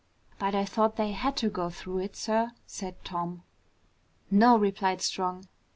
"But I thought they had to go through it, sir?" said Tom. "No," replied Strong.